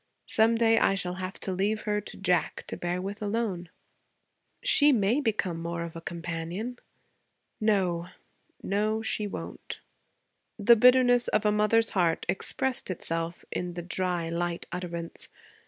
Some day I shall have to leave her to Jack to bear with alone.' 'She may become more of a companion.' 'No; no, she won't.' The bitterness of the mother's heart expressed itself in the dry, light utterance.